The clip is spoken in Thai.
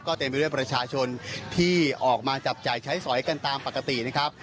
เต็มไปด้วยประชาชนที่ออกมาจับจ่ายใช้สอยกันตามปกตินะครับ